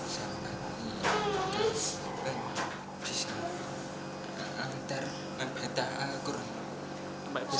sejak saya berusaha di kaisar bisa antar membaca al quran